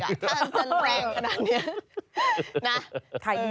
ถ้าจะแรงขนาดนี้นะ